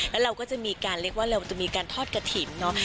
แล้วเราก็จะมีการเรียกว่าเราจะมีการทอดกระถิ่นเนาะ